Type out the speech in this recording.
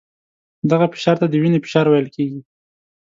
دغه فشار ته د وینې فشار ویل کېږي.